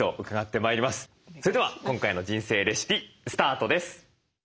それでは今回の「人生レシピ」スタートです。